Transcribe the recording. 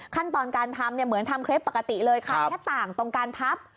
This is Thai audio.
ขั้นตอนการทำเนี่ยเหมือนทำเคล็ปปกติเลยค่ะแค่ต่างตรงการพับ